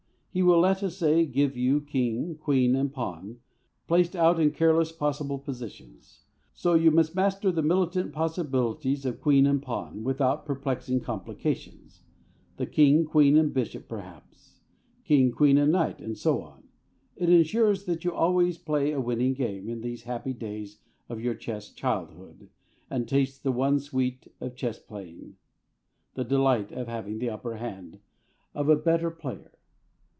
He will, let us say, give you King, Queen, and Pawn placed out in careless possible positions. So you master the militant possibilities of Queen and Pawn without perplexing complications. Then King, Queen, and Bishop perhaps; King, Queen, and Knight; and so on. It ensures that you always play a winning game in these happy days of your chess childhood, and taste the one sweet of chess playing, the delight of having the upper hand of a better player.